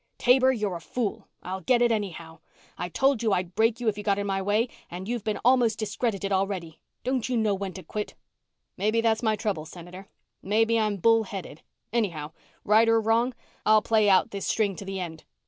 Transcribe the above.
"Taber, you're a fool! I'll get it anyhow. I told you I'd break you if you got in my way, and you've been almost discredited already. Don't you know when to quit?" "Maybe that's my trouble, Senator. Maybe I'm bull headed. Anyhow, right or wrong, I'll play out this string to the end.